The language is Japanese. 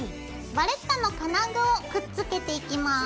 バレッタの金具をくっつけていきます。